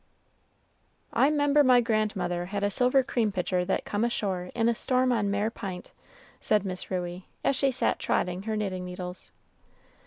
"I 'member my grandmother had a silver cream pitcher that come ashore in a storm on Mare P'int," said Miss Ruey, as she sat trotting her knitting needles.